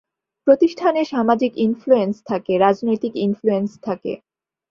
প্রতিষ্ঠানে সামাজিক ইনফ্লুয়েন্স থাকে, রাজনৈতিক ইনফ্লুয়েন্স থাকে।